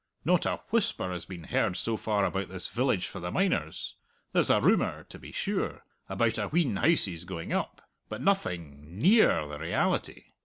Not a whisper has been heard so far about this village for the miners there's a rumour, to be sure, about a wheen houses going up, but nothing near the reality.